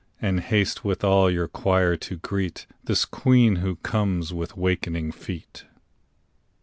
And haste with all your choir to greet This Queen who comes with wakening feet.